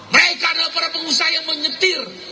mereka adalah para pengusaha yang menyetir